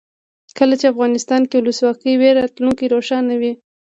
کله چې افغانستان کې ولسواکي وي راتلونکی روښانه وي.